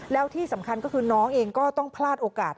แล้วที่สำคัญก็คือน้องเองก็ต้องพลาดโอกาส